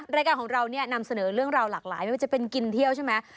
รายการของเราเนี่ยนำเสนอเรื่องราวหลากหลายไม่ว่าจะเป็นกินเที่ยวใช่ไหม